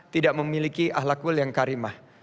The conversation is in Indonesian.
tidak memiliki ahlakul yang karimah